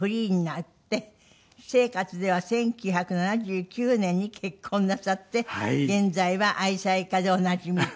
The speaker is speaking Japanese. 私生活では１９７９年に結婚なさって現在は愛妻家でおなじみです。